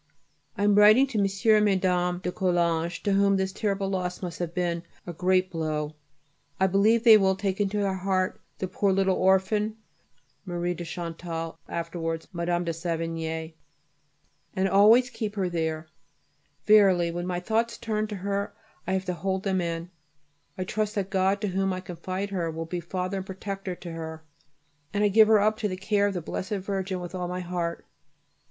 I am writing to M. and Mme. de Coulanges, to whom this terrible loss must have been a great blow. I believe they will take into their heart the poor little orphan[B] and always keep her there. Verily when my thoughts turn to her I have to hold them in. I trust that God, to whom I confide her, will be Father and Protector to her, and I give her up to the care of the Blessed Virgin with all my heart.